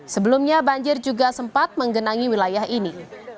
sebelumnya banjir juga sempat menggenangi wilayah ini